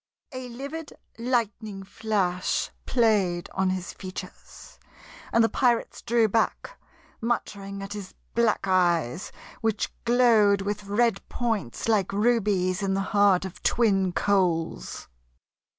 A livid lightning flash played on his features, and the pirates drew back, muttering at his black eyes which glowed with red points like rubies in the heart of twin coals.